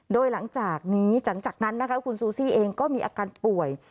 โดยหลังจากนี้หลังจากนั้นนะคะคุณซูซี่เองก็มีอาการป่วย